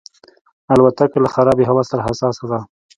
الوتکه له خرابې هوا سره حساسه ده.